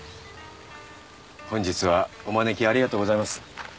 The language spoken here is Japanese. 本日はお招きありがとうございます。